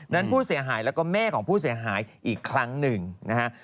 นั้นผู้เสียหายแล้วก็แม่ของผู้เสียหายอีกครั้งหนึ่งนะฮะ